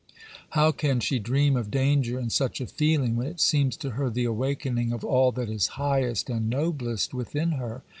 How can she dream of danger in such a feeling, when it seems to her the awakening of all that is highest and noblest within her?